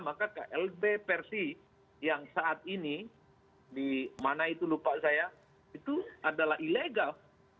maka klb versi yang saat ini di mana itu lupa saya itu adalah ilegal